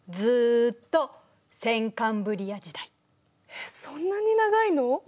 えっそんなに長いの！？